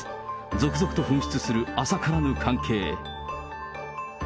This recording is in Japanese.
続々と噴出する浅からぬ関係。